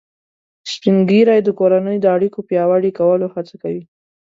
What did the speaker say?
سپین ږیری د کورنۍ د اړیکو پیاوړي کولو هڅه کوي